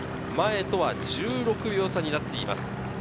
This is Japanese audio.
前とは１６秒差になっています。